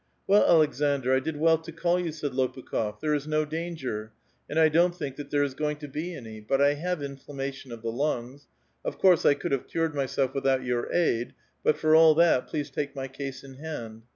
*' Well, Aleksandr, I did well to call you," said Lopukh6f ;^^ there is no danger, and I don't think that there is going to be any ; but I have inflammation of the lungs. Of course I could have cured myself without your aid, but for all that, l)lea8e take my case in hand.